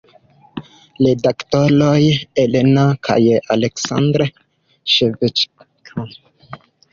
Redaktoroj: Elena kaj Aleksandr Ŝevĉenko.